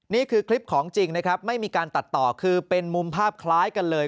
นี่คือคลิปของจริงนะครับไม่มีการตัดต่อคือเป็นมุมภาพคล้ายกันเลย